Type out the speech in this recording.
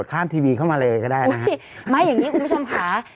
ทีวีเข้ามาเลยก็ได้นะฮะไม่อย่างงี้คุณผู้ชมค่ะ